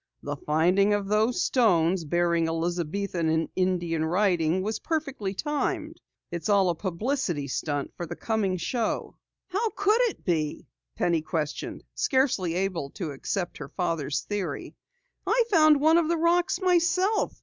"The finding of those stones bearing Elizabethan and Indian writing was perfectly timed! It's all a publicity stunt for the coming show!" "How could it be?" Penny questioned, scarcely able to accept her father's theory. "I found one of the rocks myself.